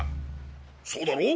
そうだろ？